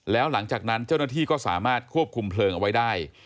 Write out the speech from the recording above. แล้วหลังจากนั้นเจ้าหน้าที่ก็สามารถควบคุมเพลิงเอาไว้ได้